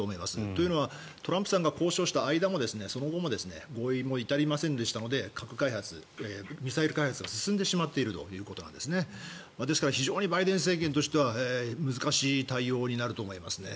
というのはトランプさんが交渉した間もその後も合意に至りませんでしたので核開発、ミサイル開発が進んでしまっているということですから非常にバイデン政権としては難しい対応になると思いますね。